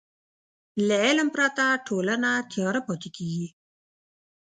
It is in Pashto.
له علم پرته ټولنه تیاره پاتې کېږي.